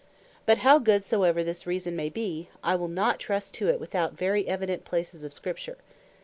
But how good soever this reason may be, I will not trust to it, without very evident places of Scripture.